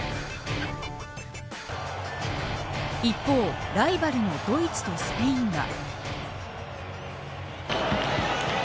一方、ライバルのドイツとスペインは。